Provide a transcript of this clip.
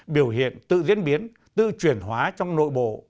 biểu hiện tự diễn biến tự chuyển hóa trong nội bộ